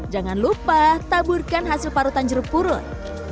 jangan lupa taburkan hasil parutan jeruk purut